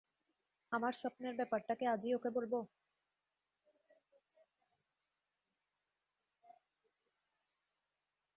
আমার স্বপ্নের ব্যাপারটা কি আজই ওকে বলব?